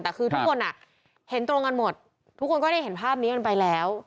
แต่คือทุกคนเห็นตรงกันหมดทุกคนก็ได้เห็นภาพนี้กันไปแล้ว